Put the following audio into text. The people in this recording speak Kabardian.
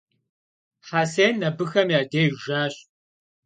Hesen abıxem ya dêjj jjaş.